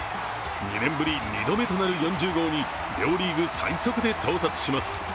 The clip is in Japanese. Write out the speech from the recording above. ２年ぶり２度目となる４０号に両リーグ最速で到達します。